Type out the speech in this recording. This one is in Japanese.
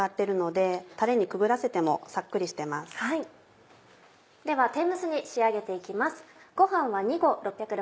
では天むすに仕上げて行きます。